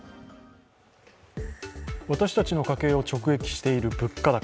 私たちの家計を直撃している物価高。